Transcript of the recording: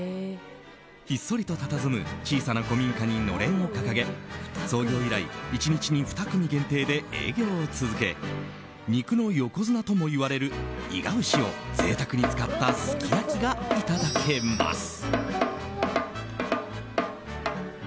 ひっそりとたたずむ小さな古民家にのれんを掲げ創業以来１日に２組限定で営業を続け肉の横綱ともいわれる伊賀牛をぜいたくに使ったすき焼きがいただけます。